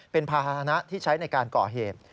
เป็นภาษณะที่ใช้ในการก่อเหตุ